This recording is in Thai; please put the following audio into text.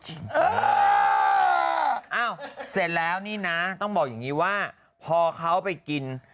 ก็เสร็จแล้วนี่นะต้องบอกอังีบว่าพอเขาไปกิน